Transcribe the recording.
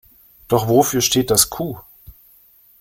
Doch wofür steht das Q?